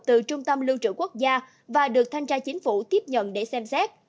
từ trung tâm lưu trữ quốc gia và được thanh tra chính phủ tiếp nhận để xem xét